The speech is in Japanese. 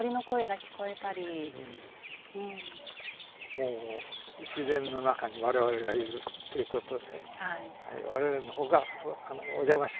もう自然の中に我々がいるっていうことで我々の方があのお邪魔してるんですよ。